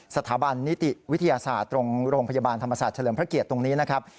สถาบันนิติวิทยาศาสตร์ตรงโรงพยาบาลธรรมศาสตร์เฉลิมพระเกียรติตรงนี้นะครับ